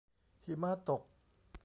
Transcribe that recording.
หิมะตก